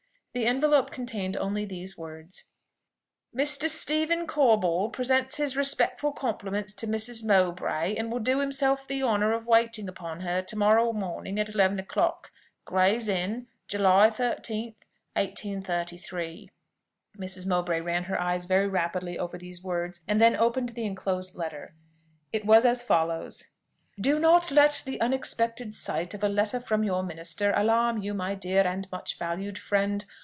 The envelope contained only these words: "Mr. Stephen Corbold presents his respectful compliments to Mrs. Mowbray, and will do himself the honour of waiting upon her to morrow morning at eleven o'clock." "Gray's Inn, July 13th, 1833." Mrs. Mowbray ran her eyes very rapidly over these words, and then opened the enclosed letter. It was as follows: "Do not let the unexpected sight of a letter from your minister alarm you, my dear and much valued friend.